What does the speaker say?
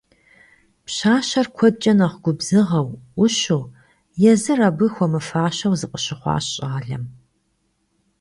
Пщащэр куэдкӀэ нэхъ губзыгъэу, Ӏущуу, езыр абы хуэмыфащэу зыкъыщыхъуащ щӀалэм.